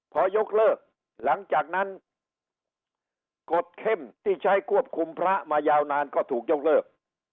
พอยกเลิกหลังจากนั้นกฎเข้มที่ใช้ควบคุมพระมายาวนานก็ถูกยกเลิก